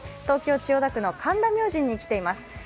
東京・千代田区の神田明神に来ています。